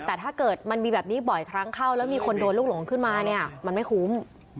แต่ถ้าเกิดมันมีแบบนี้บ่อยครั้งเข้าแล้วมีคนโดนลูกหลงขึ้นมาเนี่ยมันไม่คุ้ม